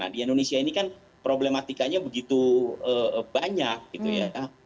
di indonesia ini kan problematikanya begitu banyak gitu ya